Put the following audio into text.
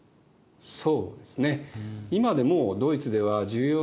そうですね。